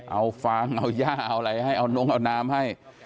เอาฟางเอาย่าเอาน้ำให้